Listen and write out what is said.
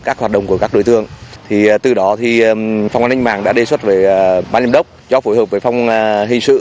các hoạt động của các đối tương thì từ đó thì phòng an ninh mạng đã đề xuất với bán liêm đốc cho phối hợp với phòng hình sự